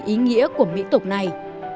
ý nghĩa của mỹ tục này